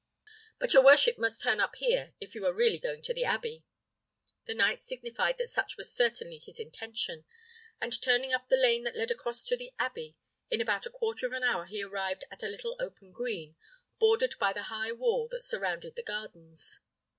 But your worship must turn up here, if you are really going to the abbey." The knight signified that such was certainly his intention; and turning up the lane that led across to the abbey, in about a quarter of an hour he arrived at a little open green, bordered by the high wall that surrounded the gardens.